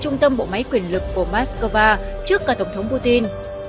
trung tâm bộ máy quyền lực của moscow trước cả tổng thống putin